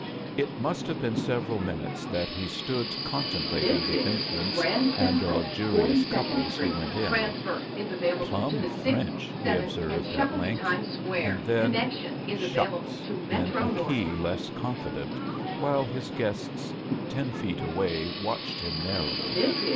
It must have been several minutes that he stood contemplate 51 m A JOURNEY IN SEARCH OF CHRISTMAS in£ the entrance and the luxurious couples who went in. "Plomb French!" he observed, at length; and then, "Shucksf in a key less confi dent, while his guests ten feet away watch ed him narrowly.